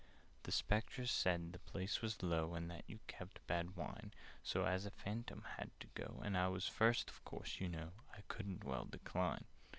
"The Spectres said the place was low, And that you kept bad wine: So, as a Phantom had to go, And I was first, of course, you know, I couldn't well decline."